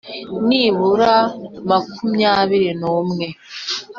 nibura makumyabiri n umwe